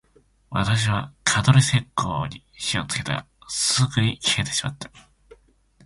私は蚊取り線香に火をつけたが、すぐに消えてしまった